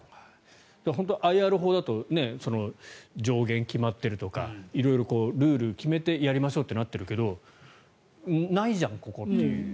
本当にＩＲ法だと上限が決まっているとか色々、ルールを決めてやりましょうとなっているけどないじゃん、ここっていう。